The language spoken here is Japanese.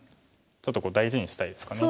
ちょっと大事にしたいですかね。